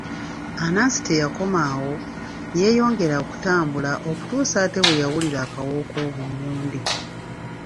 Anansi teyakoma awo, yeeyongera okutambula okutuusa ate bwe yawulira akawoowo k'obummonde.